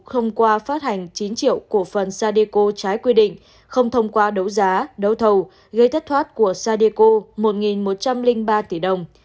không qua phát hành chín triệu cổ phần sadeco trái quy định không thông qua đấu giá đấu thầu gây thất thoát của sadeco một một trăm linh ba tỷ đồng